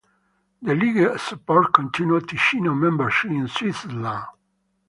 The League supports continued Ticino membership in Switzerland.